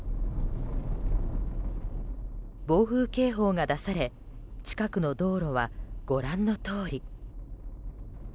暴風警報が出され近くの道路は、ご覧のとおり。